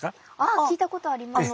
あ聞いたことあります。